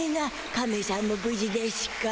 カメしゃんもぶじでしゅか？